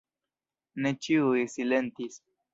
Ne ĉiuj silentis.